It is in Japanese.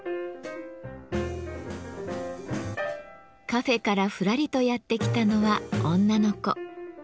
カフェからふらりとやって来たのは女の子。